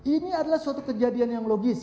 ini adalah suatu kejadian yang logis